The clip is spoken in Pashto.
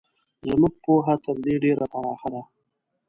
زموږ پوهه تر دې ډېره پراخه ده.